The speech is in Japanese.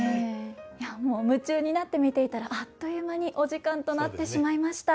いやもう夢中になって見ていたらあっという間にお時間となってしまいました。